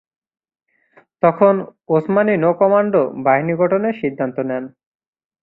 তখন ওসমানী নৌ-কমান্ডো বাহিনী গঠনের সিদ্ধান্ত নেন।